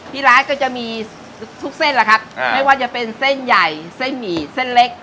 ที่ร้านก็จะมีทุกเส้นแหละครับไม่ว่าจะเป็นเส้นใหญ่เส้นหมี่เส้นเล็ก